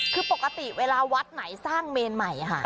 คือปกติเวลาวัดไหนสร้างเมนใหม่ค่ะ